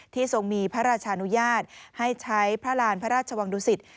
ทรงมีพระราชานุญาตให้ใช้พระราณพระราชวังดุสิต